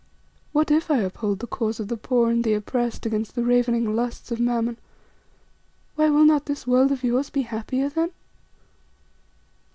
What if I uphold the cause of the poor and the oppressed against the ravening lusts of Mammon? Why, will not this world of yours be happier then?"